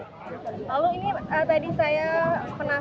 lalu ini tadi saya penasaran